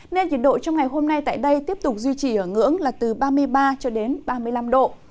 nên nhiệt độ trong ngày hôm nay tại đây tiếp tục duy trì ở ngưỡng là từ ba mươi ba cho đến ba mươi năm độ